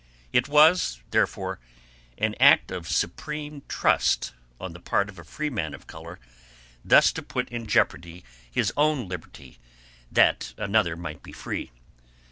It was, therefore, an act of supreme trust on the part of a freeman of color thus to put in jeopardy his own liberty that another might be free.